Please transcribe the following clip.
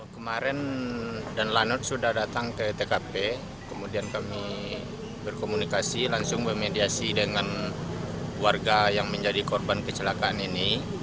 kemarin dan lanut sudah datang ke tkp kemudian kami berkomunikasi langsung memediasi dengan warga yang menjadi korban kecelakaan ini